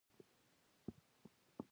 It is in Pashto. چې ډېرخلک پې راټول وو.